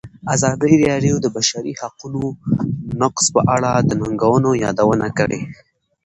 ازادي راډیو د د بشري حقونو نقض په اړه د ننګونو یادونه کړې.